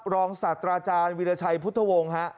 รองศัตราอาจารย์วิราชัยพุทธวงศ์ฮะ